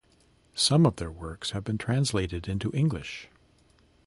Some of their works have been translated into English.